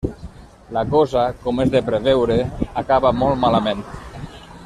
La cosa, com és de preveure, acaba molt malament.